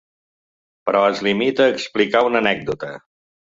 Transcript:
Però es limita a explicar una anècdota.